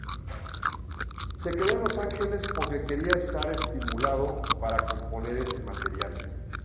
Se quedó en Los Angeles porque quería estar estimulado para componer ese material.